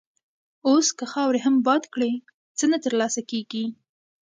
اوس که خاورې هم باد کړې، څه نه تر لاسه کېږي.